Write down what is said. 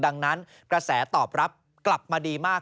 ดังนั้นกระแสตอบรับกลับมาดีมาก